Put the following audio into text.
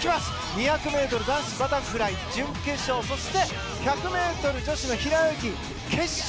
２００ｍ男子バタフライ準決勝そして、１００ｍ女子の平泳ぎ決勝。